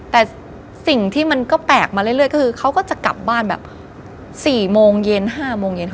แต่สิ่งที่มันก็แปลกมาเรื่อยก็คือเขาก็จะกลับบ้านแบบ๔โมงเย็น๕โมงเย็นค่ะ